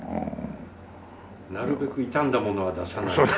なるべく傷んだものは出さない。